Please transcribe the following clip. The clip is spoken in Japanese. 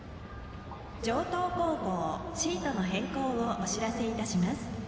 城東高校シートの変更をお知らせします。